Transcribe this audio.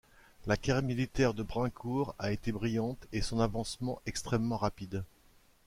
La carrière militaire de Brincourt a été brillante et son avancement extrêmement rapide.